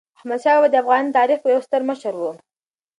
احمدشاه بابا د افغان تاریخ یو ستر مشر و.